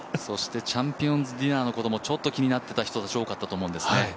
そしてチャンピオンズディナーのことも、ちょっと気になっていた人も多かったと思いますね。